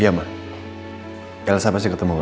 iya ma elsa pasti ketemu pak